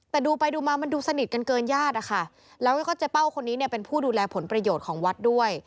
แต่ดูไปดูมามันดูสนิทกันเกินญาติอะค่ะแล้วก็เจ๊เป้าคนนี้เนี่ยเป็นผู้ดูแลผลประโยชน์ของวัดด้วย